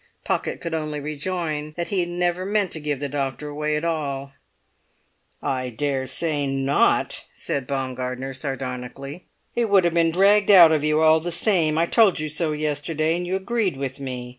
Pocket could only rejoin that he had never meant to give the doctor away at all. "I daresay not!" said Baumgartner sardonically. "It would have been dragged out of you all the same. I told you so yesterday, and you agreed with me.